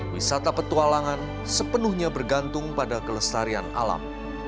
wisata petualangan sepenuhnya bergantung pada kelestarian alam